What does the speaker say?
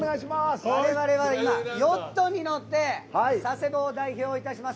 我々は今ヨットに乗って佐世保を代表いたします